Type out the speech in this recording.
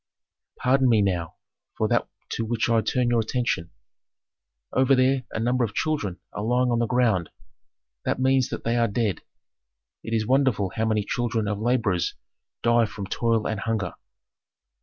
"Pardon me now for that to which I turn your attention: Over there a number of children are lying on the ground; that means that they are dead. It is wonderful how many children of laborers die from toil and hunger.